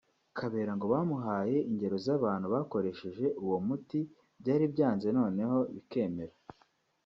Kabera ngo bamuhaye ingero z’abantu bakoresheje uwo muti byari byanze noneho bikemera